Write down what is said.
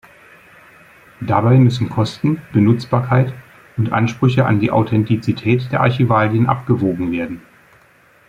Dabei müssen Kosten, Benutzbarkeit und Ansprüche an die Authentizität der Archivalien abgewogen werden.